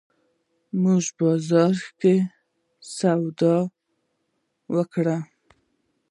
مونږه په بازار کښې سودا وکړه